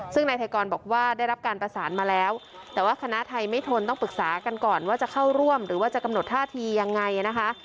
ซึ่งนายไทยกรบอกว่าได้รับการประสานมาแล้วแต่ว่าคณะไทยไม่ทนต้องปรึกษากันก่อนว่าจะเข้าร่วมหรือว่าจะกำหนดท่าทียังไงนะคะ